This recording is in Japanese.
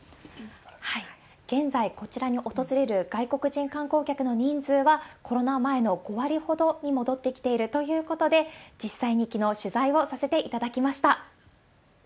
現在、こちらに訪れる外国人観光客の人数は、コロナ前の５割ほどに戻ってきているということで、実際にきのう、取材をさせていただきました。